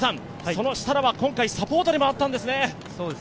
その設楽は今回サポートに回ったんですね。